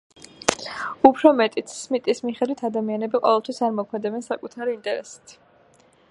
უფრო მეტიც, სმიტის მიხედვით, ადამიანები ყოველთვის არ მოქმედებენ საკუთარი ინტერესით.